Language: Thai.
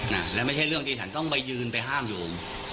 น่ะและไม่ใช่เรื่องที่ฉันต้องไปยืนไปห้ามโยม